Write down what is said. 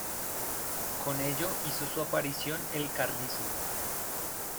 Con ello hizo su aparición el carlismo.